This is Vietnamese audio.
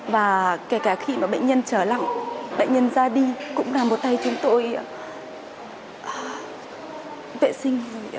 và kể cả khi mà bệnh nhân trở lặng bệnh nhân ra đi cũng là một tay chúng tôi vệ sinh